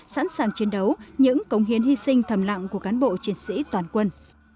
sẵn sàng chiến đấu những cống hiến hy sinh thầm lặng của cán bộ chiến sĩ toàn quân